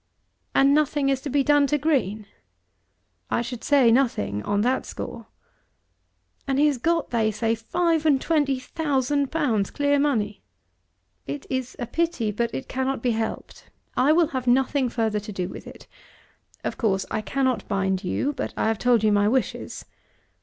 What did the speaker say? "And nothing is to be done to Green!" "I should say nothing, on that score." "And he has got they say five and twenty thousand pounds clear money." "It is a pity, but it cannot be helped. I will have nothing further to do with it. Of course I cannot bind you, but I have told you my wishes."